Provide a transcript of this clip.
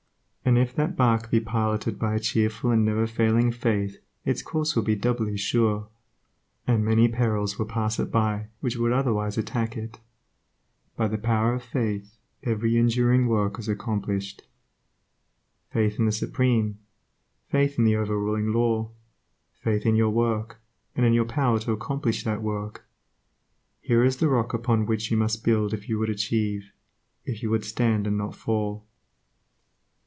And if that barque be piloted by a cheerful and never failing faith its course will be doubly sure, and many perils will pass it by which would other wise attack it. By the power of faith every enduring work is accomplished. Faith in the Supreme; faith in the over ruling Law; faith in your work, and in your power to accomplish that work, here is the rock upon which you must build if you would achieve, if you would stand and not fall.